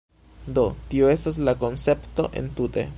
Do, tio estas la koncepto entute